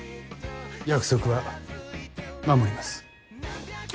約束は守ります。